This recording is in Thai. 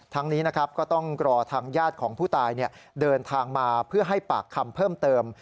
นี้นะครับก็ต้องรอทางญาติของผู้ตายเดินทางมาเพื่อให้ปากคำเพิ่มเติม